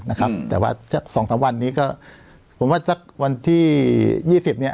นะครับแต่ว่าสองสามวันนี้ก็ผมว่าสักวันที่ยี่สิบเนี้ย